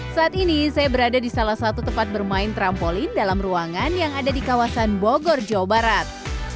saat ini saya berada di salah satu tempat bermain trampolin dalam ruangan yang ada di kawasan bogor jawa barat